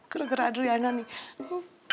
gerak gerak adriana nih